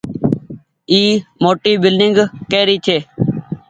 اي موٽي بلڌنگ ڪيري ڇي۔